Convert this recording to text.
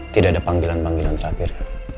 tidak ada panggilan panggilan terakhir